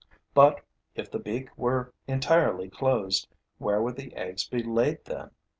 But, if the beak were entirely closed, where would the eggs be laid then?